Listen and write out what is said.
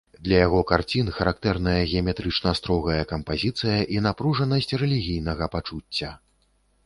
Для яго карцін характэрная геаметрычна строгая кампазіцыя і напружанасць рэлігійнага пачуцця.